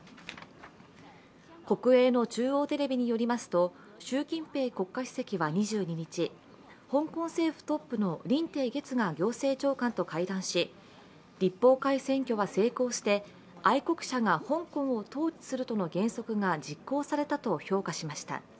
国営の中央テレビによりますと習近平国家主席は２２日香港政府トップの林鄭月娥行政長官と会談し、立法会選挙は成功して愛国者が香港を統治するとの原則が実行されたと評価しました。